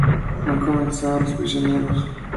Han comenzado Los Prisioneros.